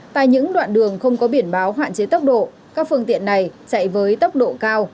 tại những đoạn đường không có biển báo hạn chế tốc độ các phương tiện này chạy với tốc độ cao